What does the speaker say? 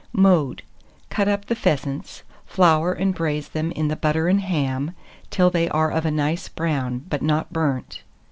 Mode. Cut up the pheasants, flour and braise them in the butter and ham till they are of a nice brown, but not burnt.